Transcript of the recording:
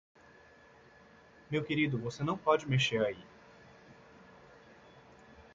Meu querido, você não pode mexer aí.